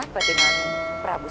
kami silakan lihat